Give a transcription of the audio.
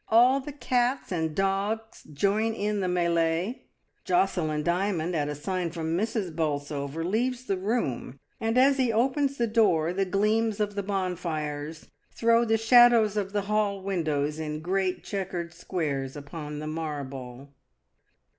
All the cats and the dogs join in the milie, Josselin Dymond at a sign from Mrs. Bolsover leaves the room, and as he opens the door the gleams of the bonfires throw the shadows of the hall windows in great chequered squares upon the marble.